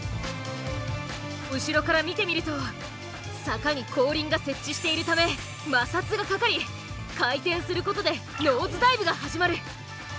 後ろから見てみると坂に後輪が接地しているため摩擦がかかり回転することでノーズダイブが始まる。